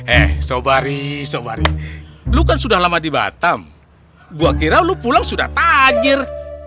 eh sobari sobari lo kan sudah lama di batam gue kira lu pulang sudah takjir